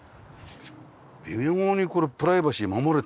微妙にこれプライバシー守れてるね。